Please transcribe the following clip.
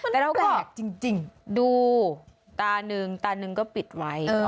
แต่เราก็ดูตาหนึ่งตาหนึ่งก็ปิดไว้